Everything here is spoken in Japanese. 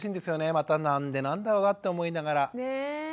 また何でなんだろうなって思いながら。